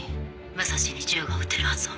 武蔵に銃が撃てるはずは。